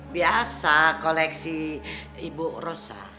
biasa koleksi ibu rosa